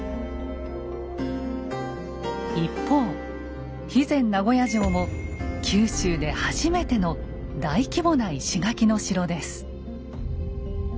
一方肥前名護屋城も九州で初めての大規模な石垣の城です。